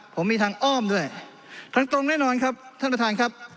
ผมมีทางอ้อมด้วยทางตรงแน่นอนครับท่านประธานครับ